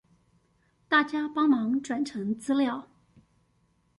大家幫忙轉成資料